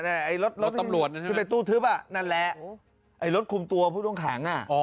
ไอรถรถตำรวจน่ะใช่ไหมที่ไปตู้ทึบอ่ะนั่นแหละไอรถคุมตัวผู้ต้องแข็งอ่ะ